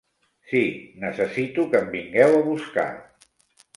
Si, necessito que em vingueu a buscar.